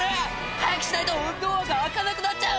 「早くしないとドアが開かなくなっちゃう！」